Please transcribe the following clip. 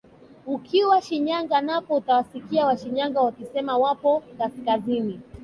Ukiwa Shinyanga napo utawasikia watu wa Shinyanga wakisema wao wapo kaskazini